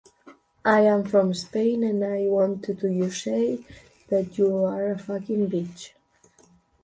Indoor results comprise all artistic events as well as cycle ball events.